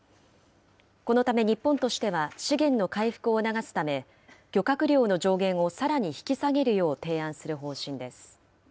このため日本としては、資源の回復を促すため、漁獲量の上限をさらに引き下げるよう提案する方針です。